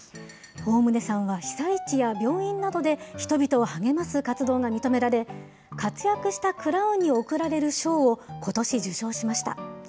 大棟さんは被災地や病院などで人々を励ます活動が認められ、活躍したクラウンに贈られる賞を、ことし受賞しました。